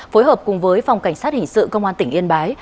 phối hợp cùng với phòng cảnh sát hình sự công an tỉnh yên bái